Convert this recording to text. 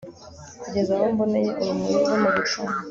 Kugeza aho mboneye urumuri rwo mu gitondo